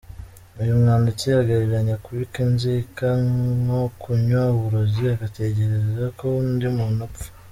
Uyu mwanditsi agereranya ‘kubika inzika, nko kunywa uburozi ugategereza ko undi muntu apfa’.